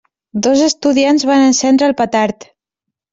Dos estudiants van encendre el petard.